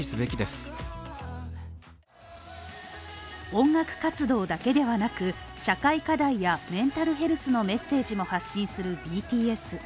音楽活動だけでなく、社会課題やメンタルヘルスのメッセージも発信するＢＴＳ。